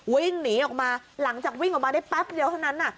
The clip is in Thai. วิ่งหนีออกมาหลังจากวิ่งออกมาได้แป๊บเดียวเท่านั้น